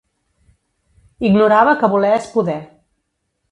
Ignorava que voler és poder.